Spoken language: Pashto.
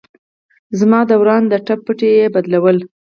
زما د ورانه د ټپ پټۍ يې بدلوله.